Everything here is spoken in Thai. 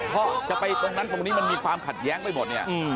เพราะจะไปตรงนั้นตรงนี้มันมีความขัดแย้งไปหมดเนี่ย